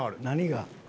何が？